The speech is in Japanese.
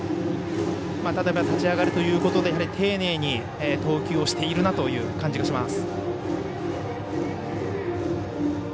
ただ、立ち上がりということで丁寧に投球をしているなという感じがします。